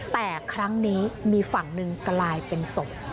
แต่ครั้งนี้มีฝั่งหนึ่งกลายเป็นศพ